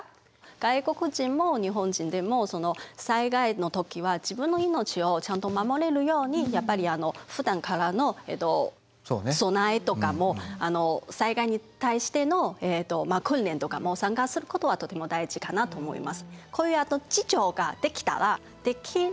外国人も日本人でもその災害の時は自分の命をちゃんと守れるようにやっぱりふだんからの備えとかも災害に対しての訓練とかも参加することはとても大事かなと思います。